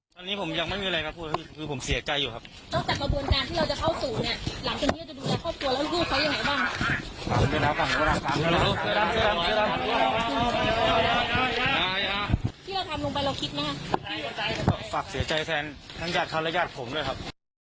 เชื่อทำลงไปเราคิดนะฮะฝากเสียใจแทนทางจัดฆราญญาติผมด้วยครับ